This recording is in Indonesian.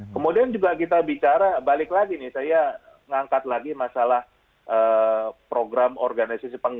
kemudian juga kita bicara balik lagi nih saya ngangkat lagi masalah program organisasi penggerak